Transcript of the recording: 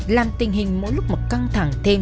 làm tình hình mỗi lúc một căng thẳng thêm